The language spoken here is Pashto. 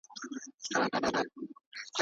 د سلطنت دوره په سوله کي تېره سوه.